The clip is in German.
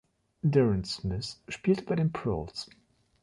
Darren Smith spielte bei den Proles.